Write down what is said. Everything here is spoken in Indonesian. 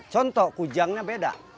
contoh kujangnya beda